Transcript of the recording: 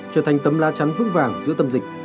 trở thành tấm la chắn vững vàng giữa tâm dịch